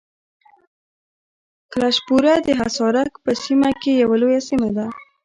کلشپوره د حصارک په سیمه کې یوه لویه سیمه ده.